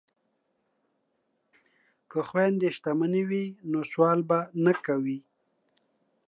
که خویندې شتمنې وي نو سوال به نه کوي.